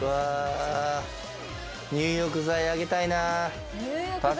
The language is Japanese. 入浴剤あげたいな。